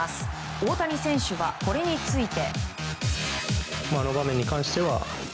大谷選手はこれについて。